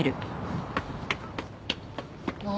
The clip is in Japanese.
何？